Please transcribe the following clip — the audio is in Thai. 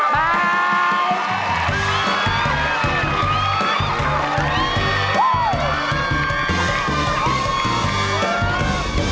บ๊ายบาย